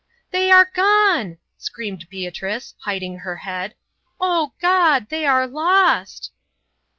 "They are gone!" screamed Beatrice, hiding her head. "O God! The are lost!"